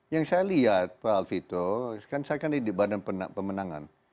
yang saya lihat pak alfito kan saya kan di badan pemenangan